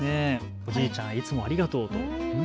おじいちゃんいつもありがとうと。